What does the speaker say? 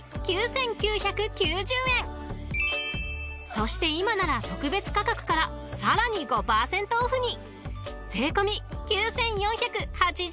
［そして今なら特別価格からさらに５％オフに］